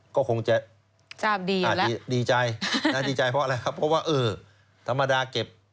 ก็คงจะทราบดีใจดีใจเพราะอะไรครับเพราะว่าเออธรรมดาเก็บ